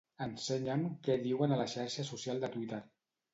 Ensenya'm què diuen a la xarxa social de Twitter.